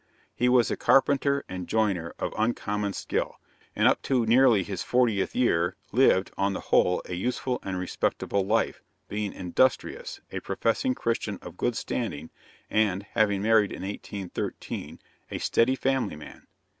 He was a carpenter and joiner of uncommon skill, and up to nearly his fortieth year lived, on the whole, a useful and respectable life, being industrious, a professing Christian of good standing, and (having married in 1813) a steady family man.